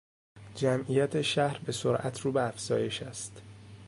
جمعیت شهر به سرعت رو به افزایش است.